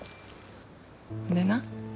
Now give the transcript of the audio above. でな